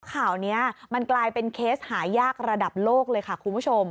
ข่าวนี้มันกลายเป็นเคสหายากระดับโลกเลยค่ะคุณผู้ชม